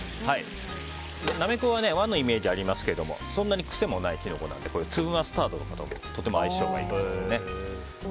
ナメコは和のイメージがありますけどそんなに癖がないので粒マスタードなどともとても相性がいいですね。